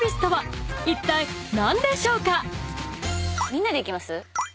みんなでいきます？